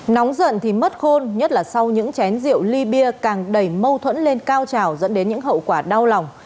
nóng giận thì mất khôn nhất là sau những chén rượu ly bia càng đẩy mâu thuẫn lên cao trào dẫn đến những hậu quả đau lòng